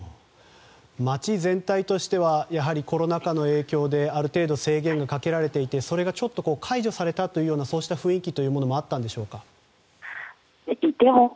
街全体としてはコロナ禍の影響である程度、制限がかけられていてそれがちょっと解除されたという雰囲気というのもあったんでしょうか？